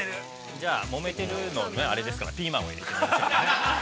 ◆じゃあ、もめているのもあれですからピーマンを入れてください。